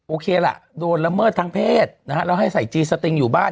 โอเคล่ะโดนละเมิดทางเพศนะฮะแล้วให้ใส่จีสติงอยู่บ้าน